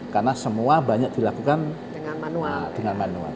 karena semua banyak dilakukan dengan manual